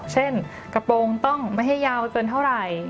กระโปรงต้องไม่ให้ยาวเกินเท่าไหร่